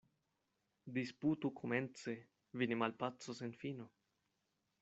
Disputu komence — vi ne malpacos en fino.